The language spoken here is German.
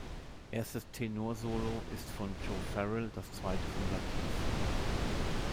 Erstes Tenor-Solo ist von Joe Farrell, das zweite von Lateef.